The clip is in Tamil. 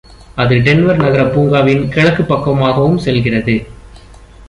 அது டென்வர் நகரப் பூங்காவின் கிழக்குப் பக்கமாகவும் செல்கிறது.